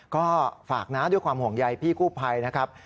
ก็ฝากนะด้วยความห่วงใยพี่กู้ภัยนะครับ